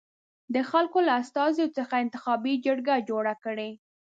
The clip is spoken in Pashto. د خلکو له استازیو څخه انتخابي جرګه جوړه کړي.